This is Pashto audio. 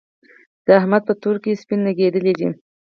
د احمد په تورو کې سپين لګېدلي دي.